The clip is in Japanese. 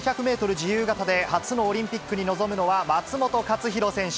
自由形で初のオリンピックに臨むのは、松元克央選手。